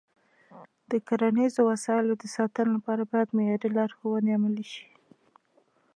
د کرنیزو وسایلو د ساتنې لپاره باید معیاري لارښوونې عملي شي.